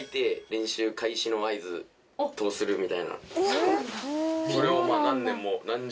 そうなんだ。